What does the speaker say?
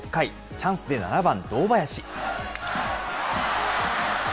チャンスで７番堂林。